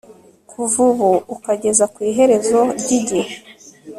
Kuva ubu ukageza ku iherezo ryigihe